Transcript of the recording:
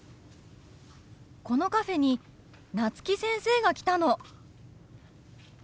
このカフェに夏木先生が来たの！